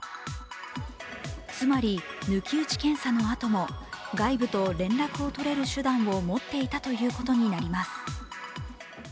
つまり抜き打ち検査のあとも外部と連絡をとれる手段を持っていたということになります。